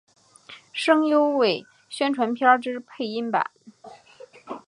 声优为宣传片之配音版。